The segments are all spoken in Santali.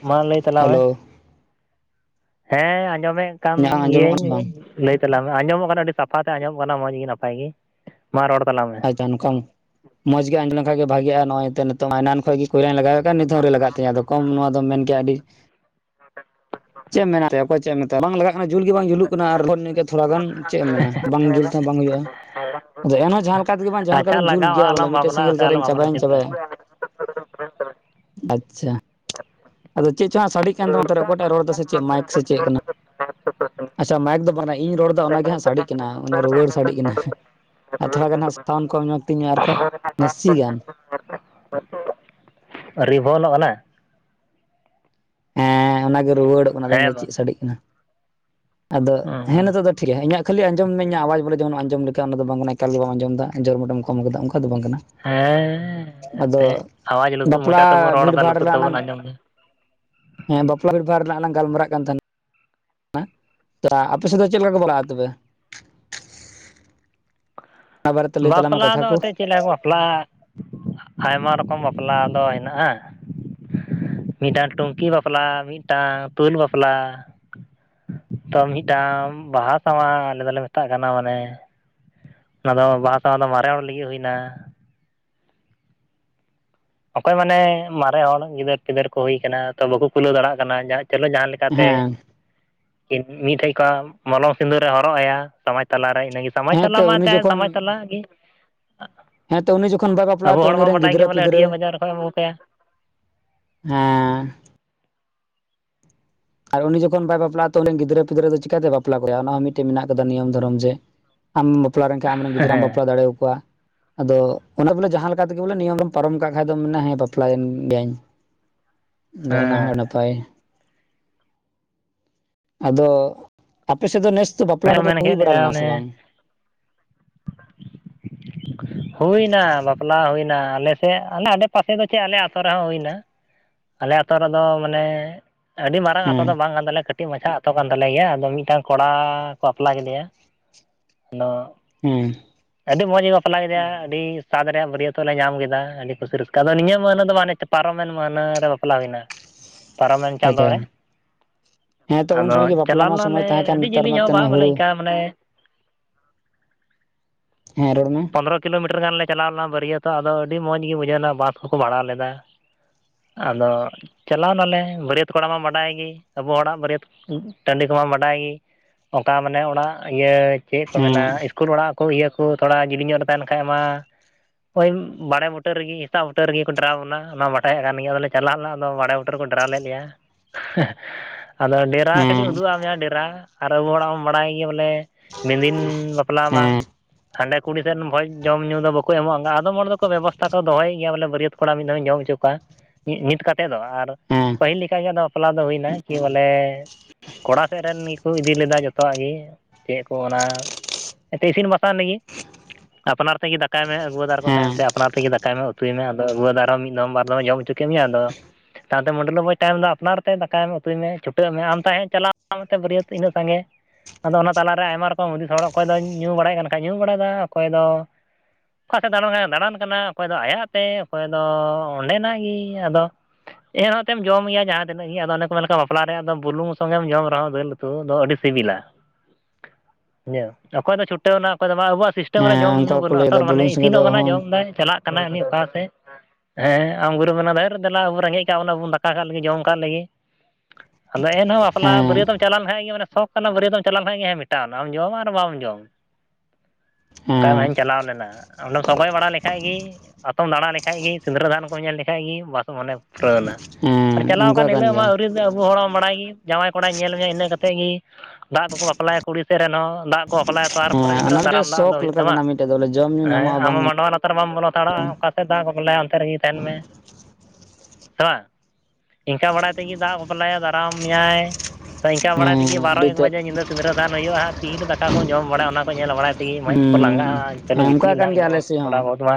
ᱢᱟ, ᱞᱟᱹᱭ ᱛᱟᱞᱟᱝ ᱢᱮ ᱦᱮᱞᱳ ᱾ ᱦᱮᱸ, ᱟᱸᱡᱚᱢᱮᱫ ᱠᱟᱱ ᱤᱧᱟᱹᱜ ᱟᱸᱡᱚᱢᱚᱜ ᱠᱟᱱᱟ ᱜᱤᱭᱟᱹᱧ ᱵᱟᱝ ᱾ ᱞᱟᱹᱭ ᱛᱟᱞᱟᱝ ᱢᱮ, ᱟᱸᱡᱚᱢᱼᱚᱜ ᱠᱟᱱᱟ, ᱟᱹᱰᱤ ᱥᱟᱯᱷᱟᱛᱮ, ᱟᱸᱡᱚᱢᱼᱚᱜ ᱠᱟᱱᱟ ᱾ ᱢᱚᱡᱽ ᱜᱮ, ᱱᱟᱯᱟᱭ ᱜᱮ, ᱢᱟ, ᱨᱚᱲ ᱛᱟᱞᱟᱝ ᱢᱮ ᱾ ᱱᱚᱝᱠᱟ [unintelligible] ᱢᱚᱸᱡᱽ ᱜᱮ ᱟᱸᱡᱚᱢ ᱞᱮᱱᱠᱷᱟᱡ ᱜᱮ ᱵᱷᱟᱜᱤᱜᱼᱟ ᱾ ᱱᱚᱜᱼᱚᱭ ᱛᱚ ᱱᱤᱛᱚᱝ ᱮᱱᱟᱱ ᱠᱷᱚᱡ ᱜᱮ ᱠᱚᱞ. ᱮᱱ ᱞᱮᱜᱟ [unintelligible] ᱱᱤᱛᱦᱚᱸ ᱨᱮ ᱞᱟᱜᱟᱜ ᱛᱤᱧᱟᱹ ᱫᱚ ᱠᱚᱢ ᱱᱚᱣᱟ ᱫᱚ ᱢᱮᱱ ᱠᱮᱭᱟ ᱟᱹᱰᱤ, ᱪᱮᱫ ᱢᱮᱱᱟᱜ ᱨᱮ ᱚᱠᱚᱭ ᱪᱮᱫ ᱮᱢ ᱢᱮᱱ ᱵᱟᱝ ᱞᱟᱜᱟᱜ ᱠᱟᱱᱟ ᱾ ᱡᱩᱞ ᱜᱮ ᱵᱟᱝ ᱡᱩᱞᱩᱜ ᱠᱟᱱᱟ, ᱟᱨ ᱛᱷᱚᱲᱟ ᱜᱟᱱ ᱪᱮᱫ ᱮᱢ ᱢᱮᱱᱟ, ᱵᱟᱝ ᱡᱩᱞ ᱛᱮᱦᱚᱸ ᱵᱟᱝ ᱦᱩᱭᱩᱜᱼᱟ ᱾ [inaudible] ᱮᱱᱦᱚᱸ, ᱡᱟᱦᱟᱸ ᱞᱮᱠᱟ ᱛᱮᱜᱮ ᱵᱟᱝ? ᱡᱟᱦᱟ, ᱸ ᱡᱟᱦᱟᱸ ᱞᱮᱠᱟ ᱟᱪᱪᱷᱟ ᱛᱮᱧ, ᱡᱩᱞ ᱞᱟᱜᱟᱜᱼᱟ ᱜᱮᱭᱟ ᱵᱚᱞᱮ, ᱟᱞᱚᱢ ᱢᱤᱫᱴᱮᱡ ᱵᱷᱟᱵᱽᱱᱟᱜᱼᱟ ᱥᱮᱸᱜᱮᱞ, ᱥᱮ ᱟᱞᱚᱢ ᱡᱟᱦᱟᱸᱨᱮᱧ ᱵᱷᱟᱵᱽᱱᱟ ᱪᱟᱵᱟᱭᱟ ᱪᱤᱱᱛᱟᱹᱜᱼᱟ ᱪᱟᱵᱟᱭᱟ ᱾ ᱟᱪᱪᱷᱟ ᱾ ᱟᱫᱚ ᱪᱮᱫ? ᱪᱚᱝ ᱦᱟᱸᱜ, ᱥᱟᱰᱮᱜ ᱠᱟᱱ ᱛᱟᱢᱟ ᱾ ᱚᱠᱚᱭᱴᱟᱜ ᱨᱚᱲ ᱮᱫᱟ ᱥᱮ ᱪᱮᱫ? ᱢᱟᱭᱤᱠ ᱥᱮ ᱪᱮᱫ ᱠᱟᱱᱟ ᱾ ᱟᱪᱪᱷᱟ, ᱢᱟᱭᱤᱠ ᱫᱚ ᱵᱟᱝ ᱤᱧ ᱨᱚᱲ ᱮᱫᱟ ᱾ ᱚᱱᱟ ᱫᱚ ᱦᱟᱸᱜ ᱥᱟᱰᱮᱜ ᱠᱟᱱᱟ ᱾ ᱚᱱᱟ ᱨᱩᱣᱟᱹᱲ, ᱥᱟᱰᱮᱜ ᱠᱟᱱᱟ ᱾ ᱟᱨ ᱛᱷᱚᱲᱟ ᱜᱟᱱ ᱦᱟᱸᱜ, ᱥᱟᱣᱩᱱ ᱠᱚᱢ ᱧᱚᱜ ᱛᱤᱧᱟ ᱟᱨ ᱠᱷᱟᱡ ᱱᱟᱥᱤ ᱜᱮᱭᱟ? ᱨᱤᱵᱷᱚᱞᱚᱜ ᱠᱟᱱᱟ ᱾ ᱦᱮᱸ, ᱚᱱᱟᱜᱮ ᱨᱩᱣᱟᱹᱲᱚᱜ ᱠᱟᱱᱟ ᱾ ᱟᱫᱚᱧ ᱦᱮᱸ ᱢᱮᱱᱫᱟ ᱵᱟ ᱪᱮᱫ? ᱥᱟᱰᱮᱜ ᱠᱟᱱᱟ ᱾ ᱟᱫᱚ ᱦᱮᱸ, ᱱᱤᱛᱚᱜ ᱫᱚ ᱴᱷᱤᱠ ᱜᱮ ᱾ᱤᱧᱟᱹᱜ ᱠᱷᱟᱹᱞᱤ ᱟᱸᱡᱚᱢ ᱢᱮ ᱾ ᱤᱧᱟᱜ ᱟᱣᱟᱡ ᱵᱚᱞᱮ ᱟᱸᱡᱚᱢ ᱞᱮᱠᱟ ᱾ ᱚᱱᱟ ᱫᱚ ᱵᱟᱝ ᱠᱟᱱᱟ? ᱛᱟᱦᱚᱞᱮ ᱵᱟᱢ, ᱟᱸᱡᱚᱢ ᱮᱫᱟ? ᱡᱚᱨ ᱢᱚᱴᱮᱢ ᱠᱚᱢ ᱟᱠᱟᱫᱟ ᱾ ᱚᱱᱠᱟ ᱫᱚ ᱵᱟᱝ ᱠᱟᱱᱟ? ᱦᱮᱸᱻ, ᱟᱫᱚ ᱮᱱᱛᱮ, ᱟᱣᱟᱡᱽ ᱞᱩᱛᱩᱨ, ᱵᱟᱯᱞᱟ ᱢᱚᱪᱟ ᱛᱮᱵᱚᱱ ᱨᱚᱲ ᱵᱷᱤᱲ ᱮᱫᱟ ᱵᱷᱟᱲ ᱞᱩᱛᱩᱨ ᱨᱮᱱᱟᱜ ᱞᱟᱝ ᱛᱮᱵᱚᱱ ᱟᱸᱡᱚᱢ ᱮᱫᱟ ᱾ ᱦᱮᱸ, ᱵᱟᱯᱞᱟ, ᱵᱤᱵᱷᱟᱨ ᱨᱮᱱᱟᱜ ᱞᱟᱝ ᱜᱟᱞᱢᱟᱨᱟᱜ ᱠᱟᱱ ᱛᱟᱦᱮᱱᱟ ᱾ [unintelligible] ᱟᱯᱮ ᱥᱮᱫ ᱫᱚ ᱪᱮᱫ ᱞᱮᱠᱟ ᱠᱚ ᱵᱟᱯᱞᱟᱜᱻᱟ ᱛᱚᱵᱮ? ᱚᱱᱟ ᱵᱟᱨᱮᱛᱮ ᱞᱟᱹᱭ ᱛᱟᱞᱟᱝ ᱢᱮ ᱵᱟᱯᱞᱟ ᱫᱚ ᱠᱟᱛᱷᱟ ᱠᱚ ᱚᱛᱮ ᱪᱮᱫ ᱞᱮᱠᱟ? ᱠᱚ ᱵᱟᱯᱞᱟᱜᱼᱟ ᱾ ᱟᱭᱢᱟ ᱨᱚᱠᱚᱢ, ᱵᱟᱯᱞᱟ ᱫᱚ ᱦᱮᱱᱟᱜᱼᱟ ᱾ ᱢᱤᱫᱴᱟᱝ, ᱴᱩᱝᱠᱤ ᱵᱟᱯᱞᱟ, ᱢᱤᱫᱴᱟᱝ ᱛᱩᱞ ᱵᱟᱯᱞᱟ ᱾ ᱛᱚ, ᱢᱤᱫᱴᱟᱝ ᱵᱟᱦᱟ ᱥᱟᱶᱦᱟ, ᱟᱞᱮ ᱫᱚᱞᱮ ᱢᱮᱛᱟᱜ ᱠᱟᱱᱟ, ᱢᱟᱱᱮ ᱾ ᱚᱱᱟ ᱫᱚ, ᱵᱟᱦᱟ ᱥᱟᱶᱦᱟ ᱫᱚ ᱢᱟᱨᱮ ᱦᱚᱲ ᱞᱟᱹᱜᱤᱫ ᱦᱩᱭ ᱮᱱᱟ ᱾ ᱚᱠᱚᱭ ᱢᱟᱱᱮ, ᱢᱟᱨᱮ ᱦᱚᱲ ᱜᱤᱫᱟᱹᱨ ᱯᱤᱫᱟᱹᱨ ᱠᱚ ᱦᱩᱭ ᱟᱠᱟᱱᱟ ᱾ ᱛᱚ, ᱵᱟᱠᱚ ᱠᱩᱞᱟᱹᱣ ᱫᱟᱲᱮᱭᱟᱜ ᱠᱟᱱᱟ ᱾ ᱪᱚᱞᱚ ᱡᱟᱦᱟᱸ ᱞᱮᱠᱟ ᱛᱮ, ᱦᱮᱸ ᱢᱤᱫ ᱴᱷᱮᱡ ᱠᱷᱚᱱ, ᱢᱚᱞᱚᱝ ᱥᱤᱸᱫᱩᱨᱮ ᱦᱚᱨᱚᱜ ᱟᱭᱟ, ᱥᱚᱢᱟᱡᱽ ᱛᱟᱞᱟᱨᱮ ᱤᱱᱟᱹ ᱜᱮ ᱥᱚᱢᱟᱡᱽ ᱦᱮᱸ ᱛᱟᱞᱟ, ᱛᱚ ᱩᱱᱤ ᱢᱮᱱᱛᱮ [unintelligible] ᱡᱚᱠᱷᱚᱱ ᱥᱚᱢᱟᱡᱽ ᱛᱟᱞᱟ ᱜᱮ ᱾ ᱦᱮᱸ ᱛᱚ ᱩᱱᱤ ᱡᱚᱠᱷᱚᱱ ᱵᱟᱭ ᱟᱵᱚ ᱵᱟᱯᱞᱟᱜᱼᱟ ᱛᱚ ᱦᱚᱲ ᱩᱱᱤ ᱢᱟ ᱨᱮᱱ ᱵᱟᱰᱟᱭ ᱜᱤᱫᱽᱨᱟᱹ ᱜᱮᱭᱟ ᱾ ᱵᱚᱞᱮ, ᱯᱤᱫᱽᱨᱟᱹ ᱦᱟᱹᱴᱭᱟᱹ ᱵᱟᱡᱟᱨ ᱠᱷᱚᱱ ᱵᱚ ᱵᱟᱯ ᱮᱱ [unintelligible] ᱦᱮᱸᱻ ᱾ ᱟᱨ ᱩᱱᱤ ᱡᱚᱠᱷᱚᱱ ᱵᱟᱭ ᱵᱟᱯᱞᱟᱼᱟ ᱾ ᱛᱚ, ᱩᱱᱤᱨᱮᱱ ᱜᱤᱫᱽᱨᱟᱹ ᱯᱤᱫᱽᱨᱟᱹ ᱫᱚ, ᱪᱤᱠᱟᱹᱛᱮ ᱵᱟᱯᱞᱟ ᱠᱚ ᱦᱳᱭᱳᱜᱼᱟ ᱾ᱚᱱᱟ ᱦᱚᱸ ᱢᱤᱫᱴᱮᱱ, ᱢᱮᱱᱟᱜ ᱟᱠᱟᱫᱟ ᱱᱤᱭᱚᱢ ᱫᱷᱚᱨᱚᱢ ᱡᱮ ᱟᱢ ᱵᱟᱯᱞᱟ ᱞᱮᱱ ᱠᱷᱟᱱ, ᱟᱢᱨᱮᱱ ᱜᱤᱫᱽᱨᱟᱹᱢ ᱵᱟᱯᱞᱟ ᱫᱟᱲᱮ ᱭᱟᱠᱚᱣᱟ ᱾ ᱟᱫᱚ, ᱚᱱᱮ ᱵᱚᱞᱮ, ᱡᱟᱦᱟᱸ ᱞᱮᱠᱟ ᱛᱮᱜᱮ, ᱵᱚᱞᱮ ᱱᱤᱭᱚᱢ, ᱯᱟᱨᱚᱢ ᱠᱟᱜ ᱠᱷᱟᱡ ᱫᱚ, ᱵᱟᱯᱞᱟᱭᱮᱱ ᱜᱮᱭᱟᱹᱧ ᱾ ᱟᱫᱚ, ᱚᱱᱟ ᱦᱚᱸ [inaudible] ᱦᱮᱸ ᱱᱟᱯᱟᱭ ᱾ ᱟᱫᱚ, ᱟᱯᱮ ᱥᱮᱫ ᱫᱚ, ᱱᱮᱥ ᱫᱚ ᱵᱟᱯᱞᱟ ᱦᱮᱸ ᱠᱚᱫᱚ, ᱢᱮᱱ ᱦᱩᱭ ᱠᱮᱫ ᱵᱟᱲᱟ ᱞᱮᱠᱟ ᱞᱮᱱᱟ ᱥᱮ ᱚᱱᱮ ᱵᱟᱝ? ᱦᱩᱭᱮᱱᱟ, ᱵᱟᱯᱞᱟ ᱦᱩᱭᱮᱱᱟ ᱾ ᱦᱩᱭᱮᱱᱟ ᱾ ᱟᱞᱮᱥᱮᱫ, ᱟᱞᱮ ᱟᱰᱮ-ᱯᱟᱥᱮ ᱫᱚ ᱪᱮᱫ! ᱟᱞᱮ ᱟᱹᱛᱩ ᱨᱮᱦᱚᱸ ᱦᱩᱭᱮᱱᱟ ᱾ ᱟᱞᱮ ᱟᱛᱳ ᱨᱮᱫᱚ ‌, ᱢᱟᱱᱮ? ᱟᱹᱰᱤ ᱢᱟᱨᱟᱝ, ᱟᱛᱳ ᱫᱚ ᱦᱮᱸ ᱵᱟᱝ ᱠᱟᱱ ᱛᱟᱞᱮᱭᱟ ᱾ ᱠᱟᱹᱴᱤᱡ ᱢᱟᱪᱷᱟ, ᱟᱛᱳ ᱠᱟᱱ ᱛᱟᱞᱮ ᱜᱮᱭᱟ ᱾ ᱟᱫᱚ, ᱢᱤᱫᱴᱟᱝ ᱠᱚᱲᱟ ᱵᱟᱯᱞᱟ ᱠᱮᱫᱮᱭᱟ [unintelligible] ᱟᱫᱚ ᱦᱮᱸᱻ ᱾ ᱟᱹᱰᱤ ᱢᱚᱡᱽ ᱮ, ᱵᱟᱯᱞᱟ ᱠᱮᱫᱮᱭᱟ ᱾ ᱟᱹᱰᱤ ᱥᱟᱫᱽ ᱨᱮᱭᱟᱜ, ᱵᱟᱹᱨᱭᱟᱹᱛᱚᱜ ᱞᱮ, ᱧᱟᱢ ᱠᱮᱫᱟ ᱾ ᱟᱹᱰᱤ ᱠᱩᱥᱤ ᱨᱟᱹᱥᱠᱟᱹ ᱾ ᱟᱫᱚ ᱱᱤᱭᱟᱹ ᱢᱟᱹᱦᱱᱟᱹ ᱫᱚ, ᱵᱟᱝ ᱯᱟᱨᱚᱢᱮᱱ ᱢᱟᱹᱦᱱᱟᱹ ᱨᱮ, ᱵᱟᱯᱞᱟ ᱦᱩᱭᱮᱱᱟ ᱾ ᱯᱟᱨᱚᱢᱮᱱ ᱪᱟᱸᱫᱳ ᱨᱮ, ᱟᱪᱪᱷᱟ ᱦᱮᱸ ᱛᱚ ᱩᱱ ᱟᱫᱚ ᱥᱚᱢᱚᱭ ᱜᱮ ᱵᱟᱯᱞᱟ ᱪᱟᱞᱟᱣ ᱢᱟ ᱞᱮᱱᱟ ᱥᱚᱢᱚᱭ ᱞᱮ, ᱛᱟᱦᱮᱸ ᱠᱟᱱ ᱟᱹᱰᱤ ᱱᱮᱛᱟᱨ ᱡᱤᱞᱤᱧ ᱢᱟ ᱦᱚᱸ ᱛᱟᱱᱮ ᱵᱟᱝ? ᱦᱩᱲᱩ ᱛᱟ ᱢᱟᱱᱮ ᱦᱮᱸ ᱨᱚᱲ ᱢᱮ ᱾ ᱯᱚᱱᱨᱚ ᱠᱤᱞᱳᱢᱤᱴᱟᱨ ᱜᱟᱱᱞᱮ ᱪᱟᱞᱟᱣ ᱞᱮᱱᱟ ᱵᱟᱹᱨᱭᱟᱹᱛᱚᱜ ᱟᱫᱚ ᱟᱹᱰᱤ ᱢᱚᱸᱡᱽ ᱜᱮ ᱵᱩᱡᱷᱟᱹᱣ ᱮᱱᱟ ᱵᱟᱥ ᱠᱚᱠᱚ ᱵᱷᱟᱲᱟ ᱞᱮᱫᱟ᱾ ᱟᱫᱚ ᱪᱟᱞᱟᱣ ᱱᱟᱞᱮ ᱵᱟᱹᱨᱭᱟᱹᱛ, ᱠᱚᱲᱟ ᱢᱟ ᱵᱟᱰᱟᱭ ᱜᱮ ᱟᱵᱚ ᱦᱚᱲᱟᱜ ᱵᱟᱹᱨᱭᱟᱹᱛ, ᱴᱟᱺᱰᱤ ᱠᱚᱢᱟ ᱵᱟᱰᱟᱭ ᱜᱮ᱾ ᱚᱱᱠᱟ ᱢᱟᱱᱮ ᱚᱲᱟᱜ ᱤᱭᱟᱹ ᱪᱮᱫ ᱠᱚ ᱦᱮᱸ ᱢᱮᱱᱟ ᱤᱥᱠᱩᱞ ᱚᱲᱟᱜ ᱤᱭᱟᱹ ᱠᱚ ᱛᱷᱚᱲᱟ ᱡᱤᱞᱤᱧᱚᱜ ᱨᱮ ᱛᱟᱦᱮᱱ ᱠᱷᱟᱡ ᱢᱟ ᱳᱭ ᱵᱟᱲᱮ ᱵᱩᱴᱟᱹ ᱨᱮᱜᱮ ᱦᱮᱥᱟᱜ ᱵᱩᱴᱟᱹᱨ ᱨᱮᱜᱮ ᱠᱚ ᱰᱮᱨᱟᱵᱚᱱᱟ ᱚᱱᱟ ᱵᱟᱰᱟᱭᱮᱫ ᱠᱟᱱ ᱜᱮᱭᱟ ᱟᱫᱚᱞᱮ ᱪᱟᱞᱟᱮᱭᱮᱱᱟ ᱟᱫᱚ ᱵᱟᱲᱮ ᱵᱩᱴᱟᱹ ᱠᱚ ᱰᱮᱨᱟ ᱞᱮᱫ ᱞᱮᱭᱟ ᱟᱫᱚ ᱰᱮᱨᱟ ᱠᱷᱟᱹᱞᱤ ᱦᱮᱸ ᱩᱫᱩᱭᱟᱫ ᱢᱮᱭᱟ ᱰᱮᱨᱟ ᱟᱨ ᱟᱵᱚ ᱦᱚᱲᱟᱜ ᱢᱟ ᱵᱟᱲᱟᱭ ᱜᱮᱭᱟ ᱵᱚᱞᱮ ᱢᱮᱱᱫᱤᱱ ᱵᱟᱯᱞᱟ ᱢᱟ ᱦᱮᱸ ᱦᱟᱸᱰᱮ ᱠᱩᱲᱤ ᱥᱮᱱ ᱵᱷᱚᱡᱽ ᱡᱚᱢ-ᱧᱩ ᱫᱚ ᱵᱟᱠᱚ ᱮᱢᱚᱜ-ᱟ ᱟᱫᱚᱢ ᱦᱚᱲ ᱫᱚᱠᱚ ᱵᱮᱵᱚᱥᱛᱷᱟ ᱠᱚ ᱫᱚᱦᱚᱭ ᱜᱮᱭᱟ ᱵᱚᱞᱮ ᱵᱟᱹᱨᱭᱟᱹᱛ ᱠᱚᱲᱟ ᱢᱤᱫ ᱫᱷᱟᱣᱤᱧ ᱡᱚᱢ ᱦᱚᱪᱚ ᱠᱚᱣᱟ ᱱᱤᱛ ᱠᱟᱛᱮ ᱫᱚ ᱟᱨ ᱦᱮᱸ ᱯᱟᱹᱦᱤᱞ ᱞᱮᱠᱟᱜᱮ ᱟᱫᱚ ᱵᱟᱯᱞᱟ ᱫᱚ ᱦᱩᱭᱱᱟ ᱠᱤ ᱵᱚᱞᱮ ᱠᱚᱲᱟ ᱥᱮᱫ ᱨᱮᱱ ᱜᱤ ᱠᱚ ᱤᱫᱤ ᱞᱮᱫᱟ ᱡᱚᱛᱚᱣᱟᱜ ᱜᱮ ᱪᱮᱫ ᱠᱚ ᱚᱱᱟ ᱮᱛᱮ ᱤᱥᱤᱱ ᱵᱟᱥᱟᱝ ᱞᱟᱹᱜᱤ ᱟᱯᱱᱟᱨ ᱛᱮᱜᱮ ᱫᱟᱠᱟᱭ ᱢᱮ ᱟᱹᱜᱩᱣᱟᱹᱫᱟᱨ ᱠᱚ ᱦᱮᱸ ᱛᱟᱦᱮᱱ ᱛᱮ ᱟᱯᱱᱟᱨ ᱛᱮᱜᱮ ᱫᱟᱠᱟᱭ ᱢᱮ ᱩᱛᱩᱭ ᱢᱮ ᱟᱫᱚ ᱟᱹᱜᱩᱣᱟᱹᱫᱟᱨ ᱦᱚᱸ ᱢᱤᱫ ᱫᱚᱢ ᱵᱟᱨ ᱫᱚᱢ ᱡᱚᱢ ᱡᱚᱢ ᱪᱚᱠᱟᱹᱢᱤᱭᱟ ᱟᱫᱚ ᱛᱟᱭᱚᱢᱛᱮ ᱢᱟᱹᱰᱞᱟᱹ ᱵᱳᱭ ᱛᱟᱭᱚᱢ ᱫᱚ ᱟᱯᱱᱟᱨᱛᱮ ᱫᱟᱠᱟᱭ ᱢᱮ ᱩᱛᱩᱭ ᱢᱮ ᱪᱷᱩᱴᱟᱹᱜ ᱢᱮ ᱟᱢ ᱛᱟᱦᱮᱸᱫ ᱪᱟᱞᱟᱣᱛᱮ ᱵᱟᱹᱨᱭᱟᱹᱛ ᱛᱤᱱᱟᱹ ᱥᱟᱸᱜᱮ ᱟᱫᱚ ᱚᱱᱟ ᱛᱟᱞᱟᱨᱮ ᱟᱭᱢᱟ ᱨᱚᱠᱚᱢ ᱦᱩᱫᱤᱥ ᱦᱚᱲ ᱚᱠᱚᱭ ᱫᱚ ᱧᱩ ᱵᱟᱲᱟᱭᱮᱫ ᱠᱟᱱ ᱠᱷᱟᱡ ᱧᱩ ᱵᱟᱲᱟᱭᱮᱫᱟ ᱚᱠᱚᱭ ᱫᱚ ᱚᱠᱟᱥᱮ ᱫᱟᱬᱟᱱ ᱠᱟᱱᱟ ᱫᱟᱬᱟᱱ ᱠᱟᱱᱟ ᱚᱠᱚᱭ ᱫᱚ ᱟᱭᱟᱜ ᱛᱮ ᱚᱠᱚᱭ ᱫᱚ ᱚᱸᱰᱮ ᱱᱟᱜ ᱜᱮ ᱟᱫᱚ ᱮᱱᱦᱚᱛᱮᱫ ᱡᱚᱢᱜᱮᱭᱟ ᱡᱟᱦᱟᱸ ᱛᱤᱱᱟᱹᱜ ᱜᱮ ᱟᱫᱚ ᱮ ᱠᱚ ᱢᱮᱱ ᱞᱮᱠᱟᱱ ᱵᱟᱯᱞᱟ ᱨᱮ ᱟᱫᱚ ᱵᱩᱞᱩᱝ ᱥᱚᱝᱜᱮᱢ ᱡᱚᱢ ᱨᱮᱦᱚᱸ ᱫᱟᱹᱟᱹᱲ ᱫᱚ ᱟᱹᱰᱤ ᱥᱤᱵᱤᱞᱟ ᱚᱠᱚᱭ ᱫᱚ ᱪᱷᱩᱴᱟᱹᱣᱱᱟ ᱚᱠᱚᱭ ᱫᱚ ᱢᱟ ᱟᱵᱚᱣᱟᱜ ᱥᱤᱥᱴᱮᱢ ᱨᱮ ᱡᱚᱢ ᱦᱮᱸ ᱧᱩ ᱚᱱᱠᱟ ᱠᱚ ᱵᱟᱹᱱᱩᱜ-ᱟ ᱞᱟᱹᱭᱫᱟ ᱛᱚ ᱢᱟᱱᱮ ᱵᱩᱞᱩᱝ ᱥᱚᱸᱜᱮ ᱫᱚ ᱤᱥᱤᱱᱚᱜ, ᱠᱟᱱᱟ ᱦᱚᱸ ᱡᱚᱢᱫᱟᱭ ᱪᱟᱞᱟᱜ ᱠᱟᱱᱟᱭ ᱩᱱᱤ ᱚᱠᱟ ᱥᱮᱫ ᱦᱮᱸ ᱟᱢ ᱜᱩᱨᱩᱢ ᱢᱮᱱᱟ ᱫᱷᱟᱹᱨ ᱫᱮᱞᱟ ᱟᱵᱚ ᱨᱮᱸᱜᱮᱡ, ᱠᱟᱜ ᱵᱚᱱᱟ ᱵᱚᱱ ᱫᱟᱠᱟ ᱠᱟᱜ ᱞᱮᱜᱮ ᱡᱚᱢ ᱠᱟᱜ ᱞᱮᱜᱮ ᱟᱫᱚ ᱮᱱᱦᱚᱸ ᱵᱟᱯᱞᱟ ᱦᱮᱸ ᱵᱟᱹᱨᱭᱟᱹᱛᱚᱢ ᱪᱟᱞᱟᱣ ᱞᱮᱱᱠᱷᱟᱡ ᱜᱮ ᱟᱱᱮ ᱥᱚᱠ ᱠᱟᱱᱟ ᱵᱟᱹᱨᱭᱟᱹᱛᱚᱢ ᱪᱟᱞᱟᱣ ᱱᱮᱠᱷᱟᱱ ᱜᱮ ᱦᱮᱸ ᱢᱮᱴᱟᱣᱱᱟᱢ ᱡᱚᱢ ᱟᱨ ᱵᱟᱢ ᱡᱚᱢ᱾ ᱦᱮᱸ [unintelligible] ᱪᱟᱞᱟᱣ ᱞᱮᱱᱟ ᱚᱸᱰᱮᱢ ᱥᱚᱜᱚᱭ ᱵᱟᱲᱟ ᱞᱮᱠᱷᱟᱡ ᱜᱮ ᱟᱛᱚᱢ ᱫᱟᱲᱟ ᱞᱮᱠᱷᱟᱡ ᱜᱮ ᱥᱤᱸᱫᱽᱨᱟᱹ ᱫᱟᱱ ᱠᱚᱢ ᱧᱮᱞ ᱞᱮᱠᱷᱟᱡ ᱜᱮ ᱵᱟᱥ ᱚᱱᱮ ᱯᱩᱨᱟᱹᱣᱱᱟ ᱦᱮᱸ ᱟᱨ ᱪᱟᱞᱟᱣ ᱚᱱᱠᱟ ᱠᱟᱱ ᱦᱤᱞᱳᱜ ᱜᱮᱭᱟ ᱢᱟ ᱟᱹᱣᱨᱤ ᱟᱵᱚ ᱦᱚᱲ ᱵᱟᱲᱟᱭ ᱜᱮ ᱡᱟᱶᱟᱭ ᱠᱚᱲᱟᱭ ᱧᱮᱞ ᱢᱮᱭᱟ ᱤᱱᱟᱹ ᱠᱟ ᱠᱟᱛᱮ ᱜᱮ ᱫᱟᱜ ᱠᱚᱠᱚ ᱵᱟᱯᱞᱟᱭᱟ ᱠᱩᱲᱤ ᱥᱮᱫ ᱨᱮᱱ ᱦᱚᱸ ᱫᱟᱜ ᱵᱟᱯᱞᱟᱭᱟ ᱛᱚ ᱛᱟᱨᱯᱚᱨᱮ ᱦᱮᱸ ᱛᱷᱚᱲᱟ ᱚᱱᱟ ᱢᱤᱫᱴᱮᱡ ᱫᱟᱨᱟᱢ ᱫᱟᱜ ᱫᱚ ᱥᱚᱠ ᱦᱩᱭᱩᱜ ᱞᱮᱠᱟ ᱛᱟᱢᱟ ᱠᱟᱱᱟ ᱢᱤᱫᱴᱮᱡ ᱫᱚ ᱵᱚᱞᱮ ᱡᱚᱢ ᱧᱩ ᱦᱮᱸ ᱧᱟᱢᱚᱜᱼᱟ ᱟᱢ ᱵᱟᱝ ᱧᱟᱢᱚᱜᱼᱟ ᱢᱟᱰᱣᱟ ᱱᱟᱨ ᱵᱟᱢ ᱵᱚᱞᱚ ᱦᱟᱲᱟᱜ-ᱟ ᱚᱠᱟ ᱥᱮᱫ ᱫᱟᱜ ᱠᱚᱠᱚ ᱞᱟᱹᱭ ᱟ ᱚᱱᱛᱮ ᱨᱮᱜᱮ ᱛᱟᱦᱮᱱ ᱢᱮ᱾ ᱥᱮ ᱵᱟᱝ ᱤᱱᱠᱟ ᱵᱟᱲᱟᱭ ᱛᱮᱜᱮ ᱫᱟᱜ ᱵᱟᱯᱞᱟᱭᱟ ᱫᱟᱨᱟᱢ ᱢᱮᱭᱟᱭ᱾ ᱛᱚ ᱤᱱᱠᱟ ᱵᱟᱲᱟᱭ ᱛᱮᱜᱮ ᱦᱮᱸ ᱵᱟᱨᱚ ᱟᱹᱰᱤ ᱮᱠ ᱛᱮᱫ ᱵᱟᱡᱮ ᱧᱤᱫᱟᱹ ᱥᱤᱸᱫᱨᱟᱹᱫᱟᱱ ᱦᱩᱭᱩᱜ-ᱟ ᱦᱟᱸᱜ ᱛᱤᱨᱮ ᱫᱟᱠᱟ ᱠᱚ ᱡᱚᱢ ᱵᱟᱲᱟᱭ ᱚᱱᱟ ᱠᱚ ᱧᱮᱞ ᱵᱟᱲᱟᱭ ᱛᱮ ᱛᱮᱜᱮ ᱢᱮᱫ ᱠᱚ ᱞᱟᱸᱜᱟᱜ-ᱟ ᱦᱩᱸ ᱪᱚᱞᱚ ᱚᱱᱠᱟ ᱜᱤᱛᱤᱡ ᱮᱱᱟᱢ ᱠᱟᱱ ᱜᱮᱭᱟ ᱤᱱᱟᱹᱜ ᱟᱞᱮ ᱥᱮᱫ ᱛᱷᱚᱲᱟ ᱦᱚᱸ ᱵᱚᱦᱩᱛ ᱢᱟ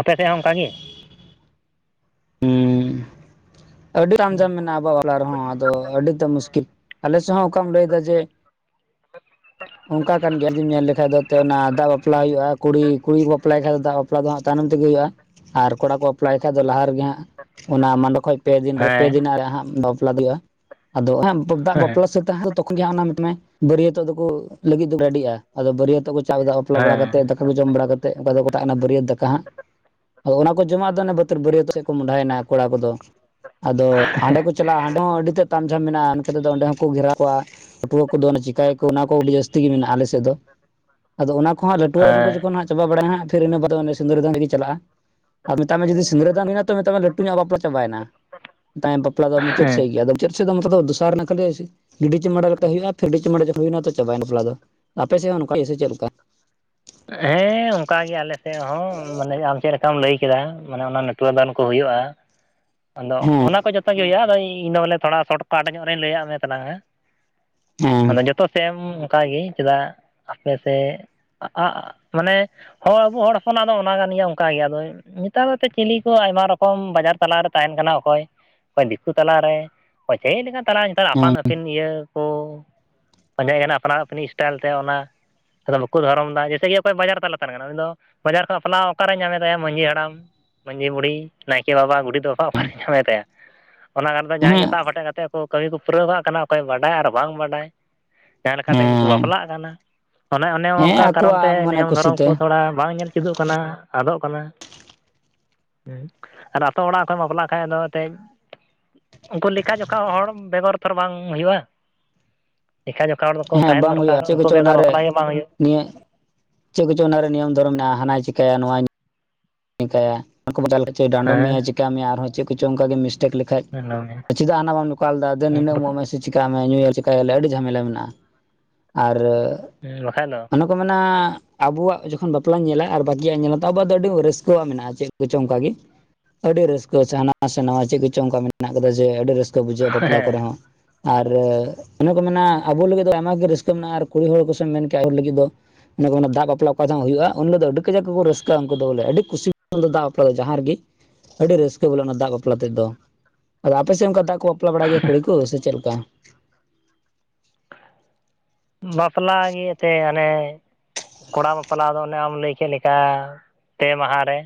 ᱟᱯᱮᱥᱮᱫ ᱦᱚᱸ ᱚᱱᱠᱟᱜ ᱜᱮ? ᱦᱩᱸ ᱟᱹᱰᱤ ᱟᱸᱡᱚᱢ ᱢᱮᱱᱟᱜ-ᱟ ᱟᱵᱚᱣᱟ ᱦᱚᱞᱟ ᱨᱮᱦᱚᱸ ᱟᱫᱚ ᱟᱹᱰᱤ ᱫᱚ ᱢᱩᱥᱠᱤᱞ ᱟᱞᱮᱥᱮᱫ ᱦᱚᱸ ᱚᱠᱟᱢ ᱞᱟᱹᱭ ᱫᱟ ᱡᱮ ᱚᱱᱠᱟ ᱠᱟᱱ ᱜᱮᱭᱟ ᱡᱮ ᱧᱮᱞ ᱞᱮᱠᱟᱡ ᱫᱚ ᱮᱱ ᱚᱱᱟ ᱫᱟᱜ ᱵᱟᱯᱞᱟ ᱦᱩᱭᱩᱜ-ᱟ᱾ ᱠᱩᱲᱤ ᱠᱩᱲᱤ ᱠᱚ ᱵᱟᱯᱞᱟᱭ ᱠᱷᱟᱡ ᱫᱚ ᱫᱟᱜ ᱵᱟᱯᱞᱟ ᱫᱚ ᱦᱟᱸᱜ ᱛᱟᱭᱱᱚᱢ ᱛᱮᱜᱮ ᱦᱩᱭᱩᱜ-ᱟ ᱟᱨ ᱠᱚᱲᱟ ᱠᱚ ᱵᱟᱯᱞᱟᱭ ᱠᱷᱟᱡ ᱫᱚ ᱞᱟᱦᱟ ᱨᱮᱜᱮ ᱦᱟᱸᱜ ᱚᱱᱟ ᱢᱟᱰᱚᱸ ᱠᱷᱚᱡ ᱯᱮ ᱫᱤᱱ ᱨᱮ ᱯᱮ ᱦᱮᱸ ᱫᱤᱱᱟᱜ ᱨᱮ ᱦᱟᱸᱜ ᱵᱟᱯᱞᱟ ᱫᱚ ᱦᱩᱭᱩᱜ-ᱟ ᱟᱫᱚ ᱦᱮᱸ ᱫᱟᱜ ᱵᱟᱯᱞᱟ ᱫᱚ ᱛᱚᱠᱷᱚᱱ ᱜᱮ ᱢᱮᱛᱟᱢᱟᱭ ᱵᱟᱹᱨᱭᱟᱹᱛᱚᱜ ᱫᱚᱠᱚ ᱞᱟᱹᱜᱤᱫ ᱨᱮᱰᱤᱜᱼᱟ ᱟᱫᱚ ᱵᱟᱹᱨᱭᱟᱹᱛᱚᱜ ᱠᱚ ᱪᱟᱠᱫᱟ ᱵᱟᱯᱞᱟ ᱵᱟᱲᱟ ᱦᱮᱸ ᱠᱟᱛᱮ ᱫᱟᱠᱟ ᱠᱚ ᱡᱚᱢ ᱵᱟᱲᱟ ᱠᱟᱛᱮᱫ ᱚᱠᱟ ᱫᱚᱠᱚ ᱢᱮᱛᱟᱜ ᱠᱟᱱᱟ ᱵᱟᱹᱨᱤᱭᱟᱹᱛ ᱫᱟᱠᱟ ᱦᱟᱸᱜ᱾ ᱟᱫᱚ ᱚᱱᱟ ᱠᱚ ᱡᱚᱢᱟᱜ ᱫᱚ ᱚᱱᱮ ᱵᱟᱹᱛ ᱵᱟᱹᱨᱤᱭᱟᱹᱛ ᱥᱮᱫ ᱠᱚ ᱢᱚᱸᱦᱰᱟᱭᱮᱱᱟ ᱠᱚᱲᱟ ᱠᱚᱫᱚ᱾ ᱟᱫᱚ ᱦᱟᱸᱰᱮ ᱠᱚ ᱪᱟᱞᱟᱜ-ᱟ ᱦᱟᱸᱰᱮ ᱦᱚᱸ ᱟᱹᱰᱤ ᱛᱮᱫ ᱛᱟᱢ ᱡᱷᱟᱢ ᱢᱮᱱᱟᱜ-ᱟ ᱚᱱᱛᱮᱫᱚ ᱚᱸᱰᱮ ᱦᱚᱠᱚ ᱜᱷᱮᱨᱟᱣᱟ ᱯᱟᱹᱴᱩᱣᱟᱹ ᱠᱚᱫᱚ ᱚᱱᱟ ᱪᱤᱠᱟᱭᱟᱠᱚ ᱚᱱᱟ ᱠᱚ ᱟᱹᱰᱤ ᱡᱟᱹᱥ ᱛᱤ ᱜᱮ ᱢᱮᱱᱟᱜ-ᱟ ᱟᱞᱮ ᱥᱮᱫ ᱫᱚ ᱟᱫᱚ ᱚᱱᱟ ᱠᱚ ᱦᱟᱸᱜ ᱞᱟᱹᱴᱩᱣ ᱨᱮᱱ ᱠᱚ ᱦᱮᱸ ᱡᱚᱠᱷᱚᱱ ᱦᱟᱸᱜ ᱪᱟᱵᱟ ᱵᱟᱲᱟᱭ ᱦᱟᱸᱜ ᱯᱷᱤᱨ ᱤᱱᱚ ᱵᱟᱱ ᱥᱤᱫᱩᱨ ᱫᱟᱱ ᱨᱮᱜᱮ ᱪᱟᱞᱟᱜ-ᱟ᱾ ᱟᱨ ᱢᱮᱛᱟᱜ ᱢᱮ ᱡᱩᱫᱤ ᱥᱤᱸᱝᱨᱟᱹ ᱫᱟᱱ ᱦᱩᱭᱮᱱᱟ ᱛᱚ ᱢᱮᱛᱟ ᱢᱮ ᱞᱟᱹᱴᱩ ᱧᱚᱜ ᱵᱟᱯᱞᱟ ᱪᱟᱵᱟᱭᱮᱱᱟ ᱢᱮᱛᱟᱢᱟ ᱵᱟᱯᱞᱟ ᱫᱚ ᱢᱩᱪᱟᱹᱫ ᱦᱮᱸ ᱥᱮᱫ ᱜᱮᱭᱟ ᱟᱫᱚ ᱪᱮᱫ ᱢᱚᱛᱚ ᱱᱚᱛᱮ ᱫᱚ ᱫᱚᱥᱟᱨ ᱱᱟ ᱠᱷᱟᱹᱞᱤ ᱜᱤᱰᱤ ᱪᱩᱢᱟᱹᱲᱟ ᱠᱟᱛᱮ ᱦᱩᱭᱩᱜ-ᱟ᱾ ᱯᱷᱮᱰᱤ ᱪᱩᱢᱟᱹᱲᱟ ᱠᱟᱛᱮᱜ ᱦᱩᱭ-ᱱᱟ ᱛᱚ ᱪᱟᱵᱟᱭᱮᱱᱟ᱾ ᱵᱟᱯᱞᱟ ᱫᱚ ᱟᱯᱮ ᱥᱮᱫ ᱦᱚᱸ ᱚᱱᱠᱟᱜᱮ ᱥᱮ ᱪᱮᱫ ᱞᱮᱠᱟ? ᱦᱮᱸ ᱚᱱᱠᱟ ᱜᱮ ᱟᱞᱮᱥᱮᱫ ᱦᱚᱸ ᱢᱟᱱᱮ ᱟᱢ ᱪᱮᱫ ᱞᱮᱠᱟᱢ ᱞᱟᱹᱭ ᱠᱮᱫᱟ ᱢᱟᱱᱮ ᱚᱱᱟ ᱱᱟᱴᱩᱣ ᱫᱟᱱ ᱠᱚ ᱦᱩᱭᱩᱜ-ᱟ᱾ ᱟᱫᱚ ᱦᱮᱸ ᱚᱱᱟ ᱠᱚ ᱡᱚᱛᱚ ᱜᱮ ᱦᱩᱭᱩᱜ-ᱟ ᱟᱫᱚ ᱤᱧᱫᱚ ᱵᱚᱞᱮ ᱛᱷᱚᱲᱟ ᱥᱚᱨᱴᱠᱷᱟᱴ ᱧᱚᱜ ᱨᱤᱧ ᱞᱟᱹᱭᱟᱫ ᱢᱮ ᱛᱟᱞᱟᱝᱼᱟ ᱦᱮᱸ ᱟᱫᱚ ᱡᱚᱛᱚ ᱥᱮᱢ ᱚᱱᱠᱟᱜᱮ ᱪᱮᱫᱟᱜ ᱟᱯᱮ ᱥᱮᱫ, ᱟᱻ ᱢᱟᱱᱮᱼᱼ ᱦᱚᱭ ᱟᱵᱚ ᱦᱚᱲ ᱦᱚᱯᱚᱱᱟᱜ ᱫᱚ ᱚᱱᱟ ᱠᱟᱱ ᱜᱮᱭᱟ ᱚᱱᱠᱟ ᱜᱮ ᱟᱫᱚ ᱱᱮᱛᱟᱨ ᱫᱚ ᱪᱤᱞᱤ ᱠᱚ ᱟᱭᱢᱟ ᱨᱚᱠᱚᱢ ᱵᱟᱡᱟᱨᱼᱼ ᱛᱟᱞᱟᱨᱮ ᱛᱟᱦᱮᱱ ᱠᱟᱱᱟ ᱚᱠᱚᱭ? ᱚᱠᱚᱭ ᱫᱤᱠᱩ ᱛᱟᱞᱟᱨᱮ ᱚᱠᱚᱭ ᱪᱮᱫ ᱞᱮᱠᱟᱱ ᱛᱟᱞᱟᱨ ᱱᱮᱛᱟᱨ ᱟᱯᱟᱱ ᱦᱮᱸ ᱟᱹᱯᱤᱱ ᱤᱭᱟᱹ ᱠᱚ, ᱯᱟᱸᱡᱟᱭ ᱜᱟᱱ ᱟᱯᱱᱟ ᱟᱹᱯᱱᱤᱡ ᱤᱥᱴᱟᱭᱤᱞ ᱛᱮ ᱚᱱᱟ, ᱟᱫᱚ ᱵᱟᱠᱚ ᱫᱷᱚᱨᱚᱢᱫᱟ ᱡᱮᱛᱮ ᱜᱮ ᱚᱠᱚᱭ ᱵᱟᱡᱟᱨ ᱛᱟᱞᱟ ᱛᱟᱦᱮ ᱠᱟᱱᱟ ᱩᱱᱤ ᱫᱚᱼᱼ ᱵᱟᱡᱟᱨ ᱠᱷᱚᱱ ᱵᱟᱯᱞᱟᱣ ᱚᱠᱟᱨᱮᱭ ᱧᱟᱢᱮᱫᱟᱭᱟ ᱢᱟᱺᱡᱷᱤ ᱦᱟᱲᱟᱢ ᱢᱟᱺᱡᱷᱤ ᱵᱩᱲᱦᱤ ᱱᱟᱭᱠᱮ ᱵᱟᱵᱟ ᱜᱩᱰᱮᱛᱼᱼ ᱫᱚ ᱥᱟᱴ ᱧᱟᱢᱮ ᱛᱟᱭᱟ ᱚᱱᱟ ᱠᱟᱨᱚᱱ ᱫᱚ ᱡᱟᱦᱟᱸᱭ ᱜᱮ ᱦᱮᱸ ᱥᱟᱵ ᱦᱟᱴᱮᱡ ᱠᱟᱛᱮ ᱠᱚᱼᱼ ᱠᱟᱹᱢᱤ ᱠᱚ ᱯᱩᱨᱟᱹᱣ ᱠᱟᱜ ᱠᱟᱱᱟ ᱚᱠᱚᱭ ᱵᱟᱰᱟᱭ ᱟᱨ ᱵᱟᱝ ᱵᱟᱰᱟᱭ ᱡᱟᱦᱟᱸ ᱞᱮᱠᱟ ᱛᱮᱜᱮ ᱠᱚ ᱦᱮᱸ ᱵᱟᱯᱞᱟᱜ ᱠᱟᱱᱟ᱾ ᱚᱱᱮ ᱚᱱᱮ ᱦᱮᱸ ᱚᱱᱠᱟ ᱠᱟᱨᱚᱱ ᱛᱮ ᱟᱠᱚᱣᱟᱜ ᱢᱚᱱᱮ ᱱᱤᱭᱚᱢ ᱠᱩᱥᱤ ᱫᱷᱚᱨᱚᱢ ᱛᱮ ᱠᱚ ᱛᱷᱚᱲᱟ ᱵᱟᱝ ᱧᱮᱞᱼᱼ ᱪᱮᱫᱚᱜ ᱠᱟᱱᱟ ᱟᱫᱚᱜ ᱠᱟᱱᱟ ᱦᱮᱸ ᱟᱛᱳ ᱚᱲᱟᱜ ᱠᱷᱚᱢ ᱵᱟᱯᱞᱟᱜ ᱠᱷᱟᱡ ᱫᱚ, [inaudible] ᱩᱱᱠᱩ ᱞᱮᱠᱷᱟ ᱡᱚᱠᱷᱟ ᱦᱚᱲ ᱵᱮᱜᱚᱨ ᱛᱷᱚᱨ ᱵᱟᱝ ᱦᱩᱭᱩᱜ-ᱟ ᱞᱮᱠᱷᱟ ᱡᱚᱠᱷᱟᱼᱼ ᱦᱚᱲ ᱫᱚᱠᱚ ᱦᱮᱸ ᱛᱟᱦᱮᱱ ᱵᱟᱝ ᱫᱚᱨᱠᱟᱨ ᱦᱩᱭᱩᱜᱼᱟ ᱪᱮᱫ ᱩᱱᱠᱩ ᱠᱚᱪᱚ ᱵᱮᱜᱟᱨ ᱚᱱᱟᱨᱮ ᱵᱟᱯᱞᱟ ᱜᱮ ᱵᱟᱝ ᱦᱩᱭᱩᱜᱼᱟᱼᱼ ᱱᱤᱭᱟᱹ ᱪᱮᱫ ᱠᱚᱪᱚᱝ ᱚᱱᱟᱨᱮ ᱱᱤᱭᱚᱢ ᱫᱷᱚᱨᱚᱢ ᱢᱮᱱᱟᱜᱼᱟ ᱦᱟᱱᱟ ᱪᱤᱠᱟᱹᱭᱟ ᱱᱚᱣᱟ? ᱪᱤᱠᱟᱭᱟ [unintelligible] ᱰᱟᱸᱰᱚᱢ ᱢᱮᱭᱟ ᱦᱮᱸ ᱪᱮᱠᱟ ᱢᱮᱭᱟ ᱟᱨᱦᱚᱸ ᱪᱮᱫ ᱠᱚᱪᱚᱚᱝ ᱚᱱᱠᱟ ᱜᱮ ᱢᱤᱥᱼᱼ ᱞᱮᱠᱷ ᱞᱮᱷᱟᱹᱡ ᱪᱮᱫᱟᱜ ᱱᱟ ᱵᱟᱢ ᱱᱚᱠᱟᱞ ᱞᱮᱫᱟ? ᱫᱮᱱ ᱱᱤᱱᱟᱜ ᱮᱢᱜ ᱢᱮ? ᱪᱮᱠᱟᱜ ᱢᱮ ᱧᱩᱸᱭ ᱟᱞᱮ ᱪᱮᱤᱠᱟᱭ ᱟᱞᱮ ᱟᱹᱰᱤ ᱡᱷᱟᱢᱮᱞᱟ ᱢᱮᱱᱟᱜᱼᱟ᱾ ᱟᱨᱼᱼ ᱦᱸ ᱵᱟᱠᱷᱟᱱᱡ ᱫᱚ, ᱚᱱᱟ ᱠᱚ ᱢᱮᱱᱟ ᱟᱵᱚᱣᱟᱜ ᱡᱚᱠᱷᱚᱱ ᱵᱟᱯᱞᱟᱧ ᱧᱮᱞᱟ ᱟᱨ ᱵᱠᱤᱭᱟᱜ ᱤᱧ ᱧᱮᱞᱟ ᱛᱟ ᱵᱟᱫ ᱟᱹᱰᱤ ᱨᱟᱹᱥᱼᱼ [unintelligible] ᱦᱸ ᱢᱮᱱᱟᱜᱼᱟ ᱪᱮᱫ ᱠᱚᱪᱚᱝ ᱚᱱᱠᱟ ᱜᱮ? ᱟᱹᱰᱤ ᱨᱟᱹᱥᱠᱟᱹ ᱥᱮ ᱦᱟᱱᱟᱣᱟ ᱥᱮ ᱱᱟᱣᱟ ᱟᱰᱤ ᱨᱟᱹᱥᱠᱟᱹ ᱦᱟᱱᱟ ᱥᱮ ᱱᱚᱭᱟ ᱪᱮᱫ ᱠᱚᱪᱚᱝ ᱚᱱᱠᱟ ᱢᱮᱱᱟᱜ ᱠᱟᱫᱟ ᱡᱮ ᱟᱹᱰᱤ ᱨᱟᱹᱥᱠᱟᱹ ᱵᱩᱡᱷᱟᱹᱜᱼᱟ ᱵᱟᱯᱞᱟ ᱦᱮᱸ ᱠᱚᱨᱮ ᱦᱚᱸ ᱟᱨ ᱚᱱᱮ ᱠᱚ ᱢᱮᱱᱟ ᱟᱵᱚ ᱞᱟᱹᱜᱤᱫ ᱫᱚ ᱟᱭᱢᱟᱟᱜ ᱜᱮ ᱨᱟᱹᱥᱠᱟᱹ ᱢᱮᱱᱟᱜᱼᱟ ᱟᱨ ᱠᱩᱲᱤ ᱦᱚᱲ ᱠᱚ ᱥᱮ ᱟᱭᱳ ᱦᱚᱲ ᱞᱟᱹᱜᱤᱫ ᱫᱚᱼᱼ ᱫᱟᱜ ᱵᱟᱯᱞᱟ ᱚᱠᱟᱦ ᱦᱚᱸ ᱦᱩᱭᱩᱜᱼᱟ ᱩᱱ ᱦᱤᱞᱜ ᱫᱚ ᱟᱹᱰᱤ ᱠᱟᱡᱟ ᱠᱚ ᱨᱟᱹᱥᱠᱟᱹᱼᱟ ᱩᱱᱠᱩ ᱫᱚ ᱵᱚᱞᱮ ᱟᱹᱰᱤᱼᱼ [unintelligible] ᱫᱟᱜ ᱵᱟᱯᱞᱟ ᱫᱚ ᱡᱟᱦᱟᱸ ᱨᱮᱜᱮ ᱟᱹᱰᱤ ᱨᱟᱹᱥᱠᱟᱹ ᱵᱚᱞ ᱚᱱᱟ ᱫᱟᱜ ᱵᱟᱯᱞᱟ ᱛᱮᱫ ᱫᱚ᱾ ᱟᱫᱚ ᱟᱯᱮ ᱥᱮᱱ ᱚᱱᱠᱟ ᱫᱟᱜ ᱠᱚ ᱵᱟᱯᱞᱟ ᱵᱟᱲᱟᱭ ᱜᱮᱭᱟ ᱠᱩᱲᱤ ᱠᱚ ᱥᱮ ᱪᱮᱫ ᱞᱮᱠᱟ? ᱵᱟᱯᱞᱟ ᱜᱮ ᱛᱮ ᱟᱱᱮᱼᱼ ᱠᱚᱲᱟ ᱵᱟᱯᱞᱟ ᱫᱚ ᱚᱱᱮ ᱟᱢ ᱞᱟᱹᱭ ᱠᱮᱫ ᱞᱮᱠᱟ ᱯᱮ ᱢᱟᱦᱟ ᱨᱮ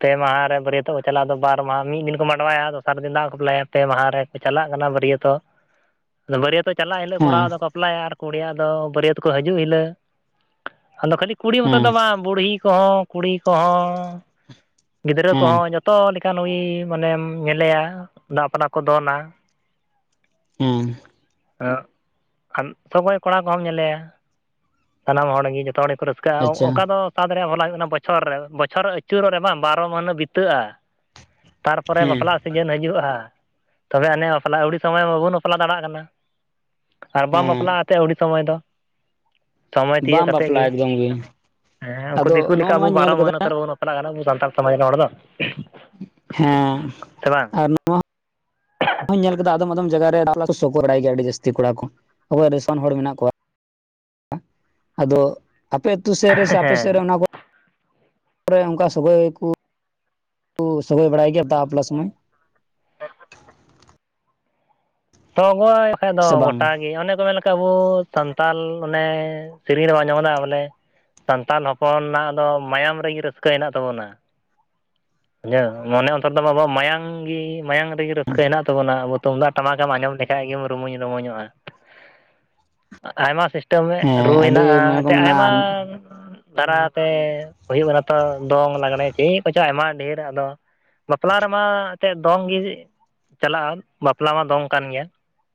ᱯᱮ ᱢᱟᱦᱟᱨᱮ ᱵᱟᱹᱨᱭᱟᱹᱛᱚᱜ ᱠᱚ ᱪᱟᱞᱟᱜᱼᱟᱫᱚ ᱵᱟᱨ ᱢᱟᱦᱟ ᱢᱤᱫ ᱫᱤᱱ ᱠᱚ ᱢᱟᱸᱰᱣᱟᱭᱟ ᱫᱚᱥᱟᱨ ᱫᱤᱱ ᱫᱟᱜ ᱠᱚ ᱵᱟᱯᱞᱟᱭᱟᱼᱼ ᱯᱮ ᱢᱟᱦᱟ ᱨᱮᱠᱚ ᱪᱟᱞᱟᱜ ᱠᱟᱱᱟ ᱵᱟᱹᱨᱭᱟᱹᱛᱚᱜ᱾ [unintelligible] ᱵᱟᱹᱨᱭᱛ ᱪᱟᱞᱟᱜᱼᱟ ᱤᱞᱳ ᱠᱚᱲᱟᱟᱣ ᱦᱮᱸ ᱫᱚᱠᱚᱼᱼ [unintelligible] ᱟᱨ ᱠᱩᱲᱤᱭᱟᱜ ᱫᱚ ᱵᱟᱹᱨᱭᱟᱹᱛ ᱠᱚ ᱦᱤᱡᱩᱜ ᱦᱤᱞᱳᱜ ᱟᱫᱚ ᱠᱷᱟᱹᱞᱤ ᱠᱩᱲᱤ ᱢᱚᱛᱚ ᱫᱚ ᱦᱮᱸ ᱵᱟᱝ? ᱵᱩᱲᱦᱤ ᱠᱚᱦᱚᱸ ᱠᱩᱲᱤ ᱠᱚᱦᱚᱸ ᱜᱤᱫᱽᱨᱟᱹ ᱦᱮᱸ ᱠᱚᱦᱚᱸ ᱡᱚᱛᱚ ᱡᱚᱛᱚ ᱞᱮᱠᱟᱱ ᱱᱩᱭ ᱢᱟᱱᱮᱢ ᱧᱮᱞᱮᱭᱟ ᱫᱟᱜᱯᱱᱟ ᱠᱚ ᱫᱚᱱᱟ ᱦᱮᱸ ᱟᱸ [unintelligible] ᱠᱚᱲᱟ ᱠᱚᱦᱚᱸᱚᱢ ᱧᱮᱞᱮᱭᱟ ᱥᱟᱱᱟᱢ ᱦᱚᱲᱜᱮ ᱡᱚᱛᱚ ᱦᱚᱲᱼᱼ ᱨᱟᱹᱥᱠᱟᱹᱜᱼᱟ ᱟᱪᱪᱷᱟ ᱚᱱᱠᱟ ᱫᱚ ᱥᱟᱫ ᱨᱮᱭᱟᱜ ᱵᱚᱞᱟ ᱦᱩᱭᱩᱜ ᱠᱟᱱᱟ ᱵᱚᱪᱷᱚᱨ ᱨᱮ ᱵᱚᱪᱷᱚᱨᱮ ᱟᱹᱪᱩᱨᱚᱜ ᱨᱮ ᱵᱟᱝ ᱵᱟᱨᱚ ᱢᱟᱹᱦᱱᱟᱹᱟᱹ ᱵᱤᱛᱟᱹᱜᱼᱟ ᱛᱟᱨᱯᱚᱨᱮ ᱦᱮᱸ ᱵᱟᱯᱞᱟᱼᱼ ᱥᱤᱡᱮᱱ ᱦᱤᱡᱩᱜᱼᱟ ᱛᱚᱵᱮ ᱟᱹᱱᱮ ᱵᱟᱯᱞᱟ ᱟᱹᱣᱤ ᱥᱚᱢᱚᱭ ᱢᱟ ᱵᱟᱵᱚᱱ ᱵᱟᱯᱞᱟ ᱫᱟᱲᱮᱭᱟᱜ ᱠᱟᱱᱟ? ᱟᱨ ᱵᱟᱢ ᱦᱮᱸ ᱵᱟᱯᱞᱟᱜᱼᱟ ᱟᱥᱮ ᱟᱹᱶᱤ ᱥᱚᱢᱚᱭ ᱫᱚ᱾ ᱥᱚᱢᱚᱭ ᱛᱤᱭᱜ ᱵᱟᱢ ᱠᱟᱛᱮᱠ ᱜᱮ ᱵᱟᱯᱞᱟᱜᱼᱟ ᱮᱠᱫᱚᱢ ᱦᱮᱸ ᱩᱱᱠᱩ ᱟᱫᱚ ᱫᱤᱠᱩ ᱞᱮᱠᱟ ᱱᱚᱜᱼᱚ ᱟᱵᱚ ᱱᱚᱣᱟᱧ ᱵᱟᱨᱚ ᱧᱮᱞ ᱠᱟᱫᱟ ᱢᱟᱹᱦᱱᱟᱹ ᱛᱚᱨᱵᱚᱱ ᱵᱟᱯᱞᱟᱜ ᱥᱟᱱᱛᱟᱲ ᱥᱟᱡᱽ ᱨᱚᱲ ᱫᱚ᱾ ᱦᱮᱸ ᱥᱮ ᱵᱟᱝ ᱟᱨ᱾ ᱟᱨᱦᱚᱝ ᱱᱟᱞ ᱟᱠᱟᱫᱟ ᱟᱫᱚᱢ ᱟᱫᱚᱢ ᱡᱟᱭᱜᱟ ᱨᱮ ᱥᱚᱜᱚᱭ ᱵᱟᱲᱟᱭ ᱜᱤᱭᱟ ᱟᱹᱰᱤ ᱡᱟᱥᱛᱤ ᱠᱚᱲᱟ ᱠᱚ ᱚᱠᱚᱭ ᱨᱤᱥᱚᱱ ᱦᱚᱲ ᱢᱤᱱᱟᱜ ᱠᱚ ᱟᱫᱚᱼᱼ ᱟᱯᱮ ᱟᱹᱛᱩ ᱥᱮᱫ ᱨᱮ ᱥᱮ ᱟᱯᱮ ᱥᱮᱫ ᱨᱮ ᱦᱮᱸ ᱚᱱᱟ ᱠᱚ ᱚᱱᱠᱟ ᱥᱚᱜᱚᱭ ᱠᱚᱼᱼ ᱥᱚᱹᱜᱳᱚᱭ ᱵᱟᱲᱟᱭ ᱜᱮᱭᱟ ᱫᱟᱜ ᱵᱟᱯᱞᱟ ᱥᱚᱢᱚᱭ? ᱥᱚᱜᱳᱭ ᱠᱷᱟᱡ ᱫᱚ ᱥᱮ ᱵᱟᱝ ᱜᱚᱴᱟ ᱜᱮ ᱚᱱᱮ ᱠᱚ ᱢᱮᱱ ᱟᱵᱚ ᱥᱟᱱᱛᱟᱞ ᱚᱱᱮ ᱥᱮᱨᱮᱧ ᱨᱮ ᱵᱟᱢ ᱟᱸᱡᱚᱢ ᱟᱠᱟᱫᱟ ᱵᱚᱞᱮ ᱥᱟᱱᱛᱟᱞ ᱦᱚᱯᱚᱱᱟᱜ ᱫᱚ ᱢᱟᱭᱟᱢ ᱨᱮᱜᱮ ᱨᱟᱹᱥᱠᱟᱹ ᱦᱮᱱᱟᱜ ᱛᱟᱵᱚᱱᱟ, ᱵᱩᱡᱷᱟᱹᱣ ᱢᱚᱱᱮ ᱚᱱᱛᱚᱨ ᱟᱵᱚᱣᱟᱜ ᱢᱟᱭᱟᱢ ᱜᱮ ᱢᱟᱭᱟᱢ ᱨᱮᱜᱮ ᱨᱟᱹᱥᱠᱟᱹ ᱦᱮᱱᱟᱜ ᱛᱟᱵᱚᱱᱟ ᱟᱵᱚ ᱛᱩᱢᱫᱟᱜ ᱴᱟᱢᱟᱠᱮᱢ ᱟᱸᱡᱚᱢ ᱞᱮᱠᱷᱟᱡ ᱜᱮ ᱨᱩᱢᱩᱧ ᱨᱩᱢᱩᱧᱚᱜ-ᱟ ᱟᱭᱢᱟ ᱢᱤᱫᱴᱮᱱ ᱦᱮᱸ ᱨᱩ ᱟᱹᱰᱤ ᱦᱮᱱᱟᱜ-ᱟ ᱢᱚᱱᱮ ᱠᱚ ᱮᱱᱛᱮᱫ ᱢᱮᱱᱟ ᱟᱭᱢᱟ ᱫᱟᱨᱟᱛᱮ ᱦᱩᱭᱩᱜ ᱠᱟᱱᱟ ᱛᱚ ᱫᱚᱝ ᱞᱟᱜᱽᱲᱮ ᱪᱮᱫ ᱠᱚᱪᱚᱝ ᱟᱭᱢᱟ ᱰᱷᱮᱨ ᱟᱫᱚ ᱵᱟᱯᱞᱟ ᱨᱮᱢᱟ ᱪᱮᱜ ᱫᱚᱝ ᱜᱮ ᱪᱟᱞᱟᱜ-ᱟ ᱵᱟᱯᱞᱟ ᱢᱟ ᱫᱚᱝ ᱠᱟᱱ ᱜᱮᱭᱟ,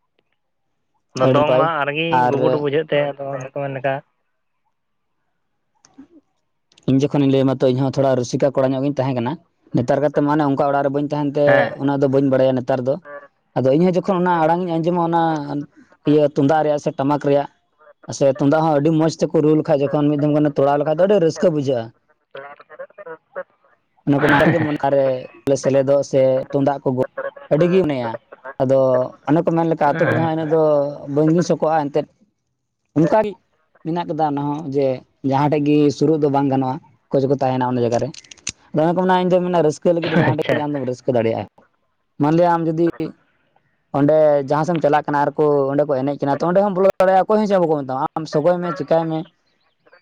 [unintelligible] ᱫᱚᱝ ᱱᱟᱯᱟᱭ ᱢᱟ ᱟᱨᱜᱮ ᱟᱨ ᱜᱩᱵᱩᱰᱩ ᱵᱩᱡᱷᱟᱹᱜ ᱛᱮ ᱟᱫᱚ ᱚᱱᱮ ᱠᱚ ᱢᱮᱱ-ᱠᱟ ᱤᱧ ᱡᱚᱠᱷᱚᱱ ᱤᱧ ᱞᱟᱹᱭ ᱟᱢᱟ ᱛᱚ ᱤᱧᱦᱚᱸ ᱛᱷᱚᱲᱟ ᱨᱩᱥᱤᱠᱟ ᱠᱚᱲᱟ ᱧᱚᱜ ᱜᱤᱧ ᱛᱟᱦᱮᱸ ᱠᱟᱱᱟ᱾ ᱱᱮᱛᱟᱨ ᱠᱟᱛᱮ ᱢᱟᱱᱮ ᱚᱲᱟᱜ ᱨᱮ ᱵᱟᱹᱧ ᱛᱟᱦᱮᱱ ᱛᱮ ᱦᱮᱸ ᱚᱱᱟ ᱫᱚ ᱵᱟᱹᱧ ᱵᱟᱲᱟᱭᱟ ᱱᱮᱛᱟᱨ ᱫᱚ᱾ ᱟᱫᱚ ᱤᱧᱦᱚᱸ ᱡᱚᱠᱷᱚᱱ ᱚᱱᱟ ᱟᱲᱟᱝ ᱤᱧ ᱟᱸᱡᱚᱢᱟ ᱚᱱᱟ ᱤᱭᱟᱹ ᱛᱩᱢᱫᱟᱜ ᱨᱮᱭᱟᱜ ᱥᱮ ᱴᱟᱢᱟᱠ ᱨᱮᱭᱟᱜ ᱥᱮ ᱛᱩᱢᱫᱟᱜ ᱦᱚᱸ ᱟᱹᱰᱤ ᱢᱚᱸᱡᱽ ᱛᱮᱠᱚ ᱨᱩ ᱞᱮᱠᱷᱟᱱ ᱡᱚᱠᱷᱚᱱ ᱢᱤᱫ ᱫᱚᱢ ᱜᱟᱱ ᱛᱚᱲᱟᱣ ᱞᱮᱠᱷᱟᱡ ᱫᱚ ᱟᱹᱰᱤ ᱨᱟᱹᱥᱠᱟᱹ ᱵᱩᱡᱷᱟᱹᱜ-ᱟ ᱚᱱᱟ ᱠᱚ [unintelligible] ᱥᱮᱞᱮᱫᱚᱜ ᱥᱮ ᱛᱩᱢᱫᱟᱜ ᱠᱚ ᱜᱚᱜ ᱟᱹᱰᱤᱜᱤᱧ ᱢᱚᱱᱮᱭᱟ ᱟᱫᱚ ᱚᱱᱮ ᱠᱚ ᱢᱮᱱ ᱞᱮᱠᱟ ᱟᱛᱳ ᱠᱚᱫᱚ ᱦᱟᱜ ᱤᱱᱟᱹ ᱫᱚ ᱵᱟᱹᱧ ᱫᱤᱥᱤᱥ ᱠᱚᱜ-ᱟ ᱮᱱᱛᱮᱫ ᱚᱱᱠᱟᱜᱮ ᱢᱮᱱᱟᱜ ᱠᱟᱫᱟ ᱚᱱᱟ ᱦᱚᱸ ᱡᱮ ᱡᱟᱦᱟᱸ ᱴᱷᱮᱡ ᱜᱮ ᱥᱩᱨᱩᱜ ᱫᱚ ᱵᱟᱝ ᱜᱟᱱᱚᱜ-ᱟ ᱠᱳᱪ ᱠᱚ ᱛᱟᱦᱮᱱᱟ ᱚᱱᱟ ᱡᱟᱭᱜᱟ ᱨᱮ ᱟᱫᱚ ᱚᱱᱟ ᱠᱚ ᱢᱮᱱᱟᱜ-ᱟ ᱤᱧ ᱫᱚ ᱨᱟᱹᱥ ᱨᱟᱹᱥᱠᱟᱹ ᱞᱟᱹᱜᱤᱫ ᱫᱚ ᱡᱟᱦᱟᱸ ᱴᱷᱮᱱ ᱜᱮ ᱟᱪᱪᱷᱟ ᱟᱢᱫᱚᱢ ᱨᱟᱹᱥᱠᱟᱹ ᱫᱟᱲᱮᱭᱟᱜ-ᱟ ᱢᱟᱱᱞᱤᱭᱟ ᱟᱢ ᱡᱩᱫᱤ ᱚᱸᱰᱮ ᱡᱟᱦᱟᱸ ᱥᱮᱫ ᱮᱢ ᱪᱟᱞᱟᱜ ᱠᱟᱱᱟ ᱟᱨ ᱠᱚ ᱚᱸᱰᱮ ᱠᱚ ᱮᱱᱮᱡ ᱠᱟᱱᱟ ᱛᱚ ᱚᱸᱰᱮ ᱦᱚᱢ ᱵᱚᱞᱚ ᱫᱟᱲᱟᱭᱟᱜ-ᱟ ᱚᱠᱚᱭ ᱦᱚᱸ ᱪᱮᱫ ᱵᱟᱠᱚ ᱢᱮᱛᱟᱢᱟ᱾ ᱟᱢ ᱥᱚᱜᱚᱭ ᱢᱮ ᱪᱮᱠᱟᱭ ᱢᱮ᱾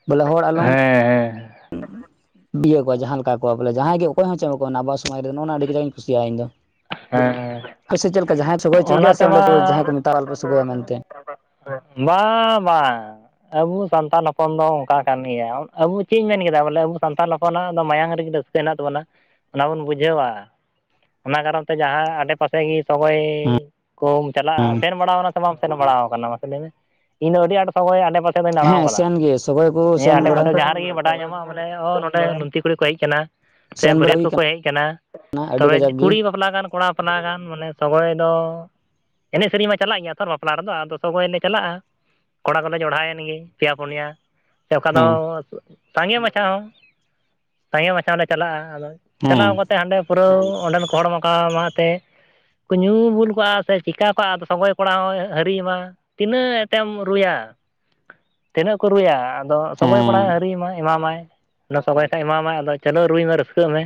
ᱵᱚᱞᱮ ᱦᱚᱲ ᱟᱞᱚᱢ ᱦᱮᱸ ᱵᱤᱭᱟᱹ ᱠᱚᱣᱟ ᱡᱟᱦᱟᱸ ᱞᱮᱠᱟ ᱠᱚ ᱵᱚᱞᱮ ᱡᱟᱦᱟᱸᱭ ᱜᱮ ᱚᱠᱚᱭ ᱦᱚᱸᱪᱚ ᱚᱱᱟ ᱵᱟᱥ ᱠᱚ ᱟᱵᱟᱨ ᱥᱚᱢᱟᱡᱽ ᱨᱮ ᱱᱚᱜ-ᱱᱚᱣᱟ ᱞᱟᱹᱜᱤᱫ ᱜᱮᱧ ᱠᱩᱥᱤᱭ-ᱟ ᱤᱧ ᱫᱚ᱾ ᱦᱮᱸ ᱦᱮᱸ ᱦᱳᱭ ᱥᱮ ᱪᱮᱫ ᱞᱮᱠᱟ ᱡᱟᱦᱟᱸᱭ ᱥᱚᱜᱚᱭ ᱦᱚᱪᱚᱭ ᱚᱱᱟ ᱜᱮᱭᱟ ᱥᱮ ᱚᱸᱰᱮ ᱛᱮᱢᱟ ᱠᱚ ᱡᱟᱦᱟᱸᱭ ᱠᱚ ᱢᱮᱛᱟᱜ-ᱟ ᱟᱞᱯᱚ ᱥᱚᱜᱚᱭ ᱢᱮᱱᱛᱮ? ᱵᱟᱝ ᱵᱟᱝ ᱟᱵᱚ ᱥᱟᱱᱛᱟᱞ ᱦᱚᱯᱚᱱ ᱫᱚ ᱚᱱᱠᱟ ᱠᱟᱱ ᱜᱮᱭᱟ ᱟᱵᱚ ᱪᱮᱫ ᱤᱧ ᱢᱮᱱ ᱠᱮᱫᱟ ᱵᱚᱞᱮ ᱟᱵᱚ ᱥᱟᱱᱛᱟᱲ ᱦᱚᱯᱚᱱᱟᱜ-ᱟ ᱫᱚ ᱢᱟᱭᱟᱝ ᱨᱮᱜᱮ ᱨᱟᱹᱥ ᱠᱟᱹ ᱦᱮᱱᱟᱜ ᱛᱟᱵᱚᱱᱟ ᱚᱱᱟ ᱵᱚᱱ ᱵᱩᱡᱷᱟᱹᱣᱟ ᱚᱱᱟ ᱠᱟᱨᱚᱱ ᱛᱮ ᱡᱟᱦᱟᱸ ᱟᱰᱮ ᱯᱟᱥᱮᱡ ᱜᱮ ᱥᱚᱜᱚᱭ ᱠᱚᱢ ᱪᱟᱞᱟᱜ-ᱟ ᱦᱮᱸ ᱥᱮᱱ ᱵᱟᱲᱟᱣ ᱟᱠᱟᱱᱟ ᱥᱮ ᱵᱟᱢ ᱥᱮᱱ ᱵᱟᱲᱟᱣ ᱟᱠᱟᱱᱟ? ᱤᱧ ᱫᱚ ᱟᱹᱰᱤ ᱟᱸᱴ ᱥᱚᱜᱚᱭ ᱟᱰᱮᱯᱟᱥᱮ ᱫᱚᱧ ᱫᱟᱬᱟ ᱦᱮᱸ ᱟᱠᱟᱫᱟ ᱥᱮᱱ ᱜᱮ ᱥᱚᱜᱚᱭ ᱠᱚ ᱦᱮᱸ ᱥᱮᱱ ᱚᱸᱰᱮ ᱵᱟᱲᱟ ᱠᱷᱚᱱ ᱡᱟᱦᱟᱸ ᱨᱮᱜᱮ ᱵᱟᱰᱟᱭ ᱧᱟᱢᱚᱜ-ᱟ ᱢᱟᱱᱮ ᱱᱚᱰᱮ ᱞᱩᱱᱛᱤ ᱠᱩᱲᱤ ᱠᱚ ᱦᱮᱡ ᱟᱠᱟᱱᱟ᱾ ᱥᱮ ᱥᱮᱱ ᱵᱟᱲᱟ ᱵᱟᱹᱨᱭᱟᱹᱛ ᱦᱩᱭ ᱠᱚᱠᱚ ᱦᱮᱡ ᱟᱠᱟᱱᱟ ᱠᱟᱱᱟ ᱟᱹᱰᱤ ᱛᱚᱵᱮ ᱠᱟᱡᱟᱠ ᱜᱮ ᱠᱩᱲᱤ ᱵᱟᱯᱞᱟ ᱜᱟᱱ ᱠᱚᱲᱟ ᱵᱟᱯᱞᱟ ᱜᱟᱱ ᱢᱟᱱᱮ ᱥᱚᱜᱚᱭ ᱫᱚ ᱮᱱᱮᱡ ᱥᱮᱨᱮᱧ ᱢᱟ ᱪᱟᱞᱟᱜ ᱜᱮᱭᱟ ᱛᱚ ᱵᱟᱯᱞᱟ ᱨᱮᱫᱚ ᱟᱫᱚ ᱥᱚᱜᱚᱭ ᱞᱮ ᱪᱟᱞᱟᱜ-ᱟ ᱠᱚᱲᱟ ᱠᱚᱞᱮ ᱡᱚᱲᱦᱟᱭᱮᱱ ᱜᱮ ᱯᱮᱭᱟ ᱯᱩᱱᱭᱟ ᱥᱮ ᱚᱠᱟ ᱫᱚ ᱦᱮᱸ ᱥᱟᱸᱜᱮ ᱢᱟᱪᱷᱟ ᱦᱚᱸ ᱥᱟᱸᱜᱮ ᱢᱟᱪᱷᱟ ᱦᱚᱸ ᱞᱮ ᱪᱟᱞᱟᱜ-ᱟ ᱟᱫᱚ ᱦᱮᱸ ᱪᱟᱞᱟᱣ ᱠᱟᱛᱮ ᱦᱟᱸᱰᱮ ᱯᱩᱨᱟᱹᱣ ᱚᱸᱰᱮᱱ ᱠᱚ ᱦᱚᱲ ᱢᱟᱠᱟ ᱢᱟ ᱮᱱᱛᱮ ᱠᱚ ᱧᱩ ᱵᱩᱞ ᱠᱚᱜ-ᱟ ᱥᱮ ᱪᱤᱠᱟᱹ ᱠᱚᱜ-ᱟ ᱟᱫᱚ ᱥᱚᱜᱚᱭ ᱠᱚᱲᱟ ᱦᱚᱸ ᱦᱟᱹᱨᱤᱭ ᱢᱟ ᱛᱤᱱᱟᱹᱜ ᱛᱮᱢ ᱨᱩᱭᱟ, ᱛᱤᱱᱟᱹᱜ ᱠᱚ ᱨᱩᱭᱟ ᱟᱫᱚ ᱥᱚᱜᱚᱭ ᱦᱮᱸ ᱠᱚᱲᱟ ᱦᱟᱹᱨᱤᱭ ᱢᱟᱭ ᱮᱢᱟᱢᱟᱭ᱾ ᱚᱱᱟ ᱥᱚᱜᱚᱭ ᱠᱷᱟᱭ ᱮᱢᱟᱢᱟᱭ ᱟᱫᱚ ᱪᱟᱹᱞᱩ ᱨᱩᱭ ᱢᱮ ᱨᱟᱹᱥᱠᱟᱹᱜ ᱢᱮ᱾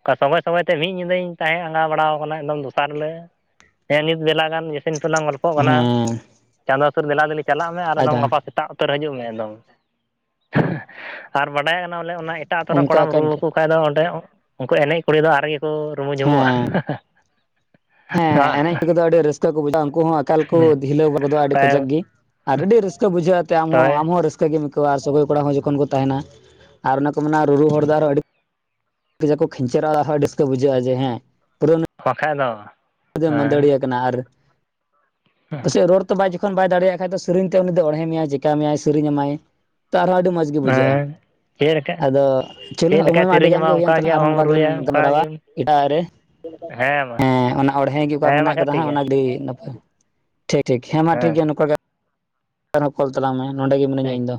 ᱚᱱᱠᱟ ᱥᱚᱜᱚᱭ ᱥᱚᱜᱚᱭ ᱛᱮ ᱢᱤᱫ ᱧᱤᱫᱟᱹᱧ ᱛᱟᱦᱮᱸ ᱟᱸᱜᱟ ᱵᱟᱲᱟ ᱟᱠᱟᱱᱟ ᱮᱠᱫᱚᱢ ᱫᱚᱥᱟᱨ ᱦᱤᱞᱳᱜ᱾ ᱦᱮᱸ ᱱᱤᱛ ᱵᱮᱞᱟ ᱜᱟᱱ ᱡᱮᱥᱮ ᱱᱤᱛᱚᱜ ᱞᱟᱝ ᱜᱚᱞᱯᱚᱜ ᱠᱟᱱᱟ ᱦᱮᱸ ᱪᱟᱸᱫᱚ ᱥᱩᱨ ᱵᱮᱞᱟ ᱫᱚᱞᱮ ᱪᱟᱞᱟᱜ ᱢᱮ ᱟᱨ ᱟᱪᱪᱷᱟ ᱟᱫᱚᱢ ᱜᱟᱯᱟ ᱥᱮᱫ ᱮᱴᱟᱜ ᱩᱛᱟᱹᱨ ᱦᱤᱡᱩᱜ ᱢᱮ ᱮᱠᱫᱚᱢ ᱟᱨ ᱵᱟᱰᱟᱭ ᱠᱟᱱᱟ ᱵᱚᱞᱮ ᱚᱱᱟ ᱮᱴᱟᱜ ᱟᱛᱳ ᱨᱮᱱ ᱚᱱᱠᱟ ᱠᱚᱲᱟᱢ ᱠᱟᱱ ᱨᱩᱣᱟᱹ ᱜᱮᱭᱟ ᱠᱚ ᱵᱟᱠᱟᱱ ᱫᱚ ᱚᱸᱰᱮ ᱩᱱᱠᱩ ᱮᱱᱮᱡ ᱠᱩᱲᱤ ᱫᱚ ᱟᱨ ᱜᱮᱠᱚ ᱨᱩᱢᱩ ᱡᱩᱢᱩᱜ-ᱟ᱾ ᱦᱮᱸ ᱦᱮᱸ ᱮᱱᱮᱡ ᱠᱚᱜ ᱫᱚ ᱟᱹᱰᱤ ᱨᱟᱹᱥᱠᱟᱹ ᱠᱚ ᱵᱩᱡᱟ ᱩᱱᱠᱩ ᱦᱚᱸ ᱟᱠᱟᱞ ᱠᱚ ᱰᱷᱤᱞᱟᱹᱣ ᱵᱟ ᱠᱚᱫᱚ ᱟᱹᱰᱤ ᱠᱟᱡᱟᱠ ᱜᱮ᱾ ᱟᱨ ᱟᱹᱰᱤ ᱨᱟᱹᱥᱠᱟᱹ ᱵᱩᱡᱷᱟᱹᱣᱟ ᱟᱛᱮ ᱟᱢᱦᱚᱸ ᱦᱳᱭ ᱟᱢᱦᱚᱚᱸ ᱨᱟᱹᱥᱠᱟᱹ ᱜᱮᱢ ᱟᱹᱭᱠᱟᱹᱣᱟ ᱟᱨ ᱥᱚᱜᱚᱭ ᱠᱚᱲᱟ ᱦᱚᱸ ᱡᱚᱠᱷᱚᱱ ᱠᱚ ᱛᱟᱦᱮᱱᱟ᱾ ᱟᱨ ᱚᱱᱮ ᱠᱚ ᱢᱮᱱᱟ ᱨᱩᱨᱩ ᱦᱚᱲ ᱫᱚ ᱟᱨᱚ ᱟᱹᱰᱤ ᱟᱠᱚ ᱠᱷᱤᱱᱧᱪᱮᱨᱟ ᱰᱤᱥᱠᱚ ᱵᱩᱡᱷᱟᱹᱜ-ᱟ ᱡᱮ ᱦᱮ ᱯᱩᱨᱟᱹ ᱚᱱᱟ, ᱵᱟᱠᱷᱟᱡ ᱫᱚ᱾ ᱦᱮᱸ ᱢᱟᱹᱫᱟᱹᱲᱤᱭᱟᱹ ᱠᱟᱱᱟ ᱟᱨ ᱯᱟᱥᱮᱡ ᱨᱚᱲ ᱛᱚ ᱵᱟᱭᱼᱼ ᱡᱚᱠᱷᱚᱱ ᱵᱟᱭ ᱫᱟᱲᱮᱭᱟᱜ ᱠᱷᱟᱡ ᱫᱚ ᱥᱮᱨᱮᱧ ᱛᱮ ᱩᱱᱤ ᱫᱚ ᱚᱲᱦᱮ ᱢᱮᱭᱟᱭ ᱪᱮᱠᱟ ᱢᱮᱭᱟᱭ ᱥᱮᱨᱮᱧ ᱮᱢᱟᱭᱼᱼ ᱛᱚ ᱟᱨ ᱦᱚᱸ ᱟᱹᱰᱤ ᱢᱚᱡᱽ ᱜᱮ ᱵᱩᱡᱷᱟᱹᱜ-ᱟ ᱦᱮᱸ ᱪᱮᱫ ᱞᱮᱠᱟ ᱟᱫᱚ ᱪᱮᱫ [unintelligible] ᱞᱮᱠᱟᱭ ᱢᱟ ᱟᱹᱰᱤ ᱥᱮᱨᱮᱧ ᱜᱟᱱ ᱜᱮ ᱟᱢᱟ ᱦᱩᱭ ᱮᱱ ᱚᱱᱠᱟ ᱛᱟᱞᱟᱝ ᱟᱨ ᱟᱢ ᱦᱚᱸ ᱦᱚᱢ ᱱᱚᱝᱠᱟ ᱜᱮᱞᱟᱝ ᱨᱩᱭᱟ ᱚᱱᱠᱟ ᱜᱟᱞᱢᱟᱨᱟᱣᱟ᱾ ᱜᱮᱢ ᱮᱴᱟᱜ ᱨᱮ ᱦᱮᱸ ᱚᱱᱟ ᱚᱬᱦᱮᱸ ᱜᱮ ᱚᱠᱟ ᱦᱮᱸ ᱢᱟ ᱢᱮᱱᱟᱜ ᱟᱪᱪᱷᱟ ᱠᱟᱫᱟ ᱴᱷᱤᱠ ᱦᱟᱸᱜ ᱜᱮᱭᱟ ᱚᱱᱟ ᱜᱮ [unintelligible] ᱱᱟᱯᱟᱭ ᱴᱷᱤᱠ ᱴᱷᱤᱠ ᱦᱮᱸ ᱢᱟ ᱴᱷᱤᱠ ᱜᱮᱭᱟ ᱱᱚᱝᱠᱟ ᱜᱮᱼᱼ [unintelligible] ᱠᱚᱞ ᱛᱟᱞᱟᱝ ᱢᱮ ᱱᱚᱸᱰᱮ ᱜᱮ ᱢᱤᱱᱟᱹᱧᱟ ᱴᱷᱤᱠ ᱤᱧ ᱫᱚᱼᱼ